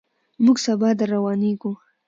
موږ سبا درروانېږو.